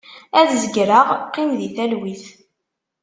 Ad zegreɣ, qqim di talwit.